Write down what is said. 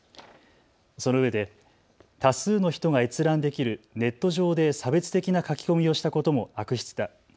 そのうえで多数の人が閲覧できるネット上で差別的な書き込みをしたことも悪質だ。